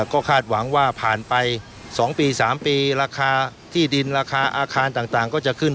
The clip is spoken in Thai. ก็คาดหวังว่าผ่านไป๒ปี๓ปีราคาที่ดินราคาอาคารต่างก็จะขึ้น